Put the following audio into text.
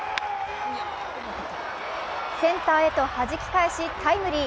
センターへとはじき返し、タイムリー。